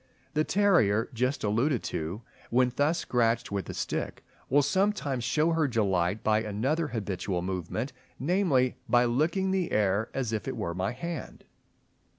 The terrier just alluded to, when thus scratched with a stick, will sometimes show her delight by another habitual movement, namely, by licking the air as if it were my hand.